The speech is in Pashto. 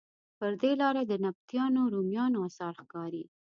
پر دې لاره د نبطیانو، رومیانو اثار ښکاري.